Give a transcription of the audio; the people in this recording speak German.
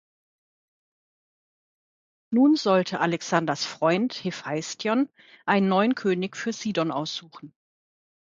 Nun sollte Alexanders Freund Hephaistion einen neuen König für Sidon aussuchen.